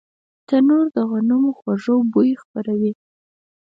تنور د غنمو خوږ بوی خپروي